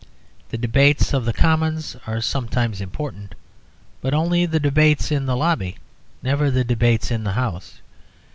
The debates of the Commons are sometimes important; but only the debates in the Lobby, never the debates in the House.